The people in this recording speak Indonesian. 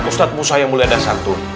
ustadz musa yang mulai dan santun